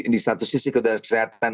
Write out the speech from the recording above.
di satu sisi kesehatan